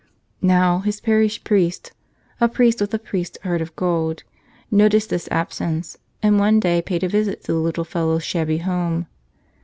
Now, his parish priest (a priest with a priest's heart of gold) noticed this absence, and one day paid a visit to the little fellow's shabby home.